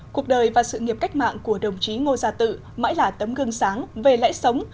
cuộc đời và sự nghiệp cách mạng của đồng chí ngô gia tự mãi là tấm gương sáng về lẽ sống